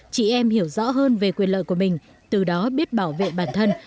chị em hiểu rõ hơn về quyền lợi của mình từ đó biết bảo vệ bản thân